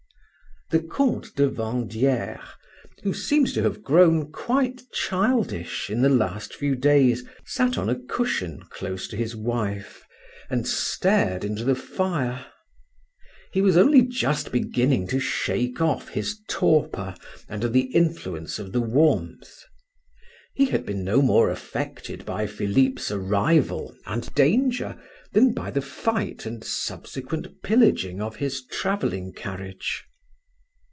The Comte de Vandieres, who seemed to have grown quite childish in the last few days, sat on a cushion close to his wife, and stared into the fire. He was only just beginning to shake off his torpor under the influence of the warmth. He had been no more affected by Philip's arrival and danger than by the fight and subsequent pillaging of his traveling carriage.